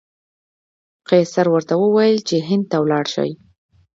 قیصر ورته وویل چې هند ته ولاړ شي.